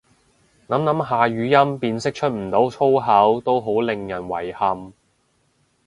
諗諗下語音辨識出唔到粗口都好令人遺憾